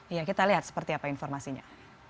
iya kita lihat seperti apa informasinya